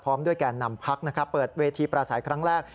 พร้อมด้วยแก่อนำภาคเปิดเวทีปราศัยครั้งแรก